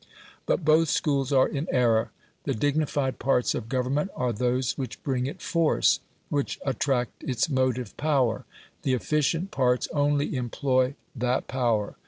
But both schools are in error. The dignified parts of Government are those which bring it force which attract its motive power. The efficient parts only employ that power.